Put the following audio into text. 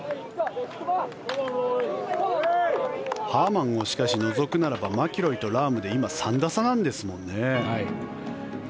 ハーマンをしかし除くならばマキロイとラームで今、３打差なんですもんね。